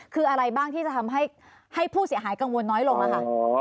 คืออะไรบ้างที่จะทำให้ผู้เสียหายกังวลน้อยลงล่ะค่ะ